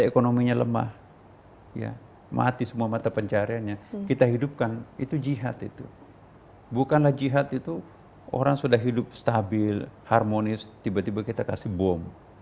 ekonominya lemah mati semua mata pencariannya kita hidupkan itu jihad itu bukanlah jihad itu orang sudah hidup stabil harmonis tiba tiba kita kasih bom